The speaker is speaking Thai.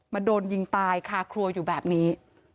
โดนยิงตายคาครัวอยู่แบบนี้